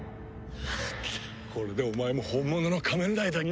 これでお前も本物の仮面ライダーになれるぞ！